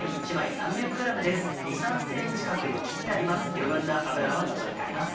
余分な脂は除いてあります。